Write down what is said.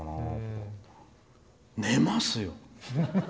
寝ますよ！